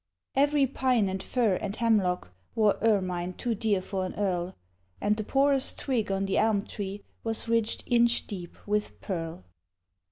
Every pine and fir and hemlock Wore ermine too dear for an earl, And the poorest twig on the elm tree Was ridged inch deep with pearl.